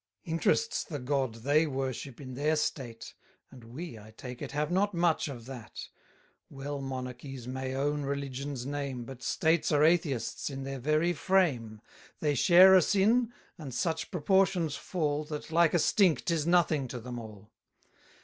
Interest's the god they worship in their state, And we, I take it, have not much of that 20 Well monarchies may own religion's name, But states are atheists in their very frame. They share a sin; and such proportions fall, That, like a stink, 'tis nothing to them all.